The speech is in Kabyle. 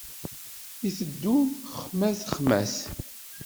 Iteddu xmat, xmat.